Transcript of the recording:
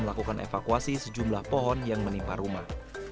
melakukan evakuasi sejumlah pohon yang menimpa rumah